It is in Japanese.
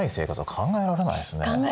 考えられないです。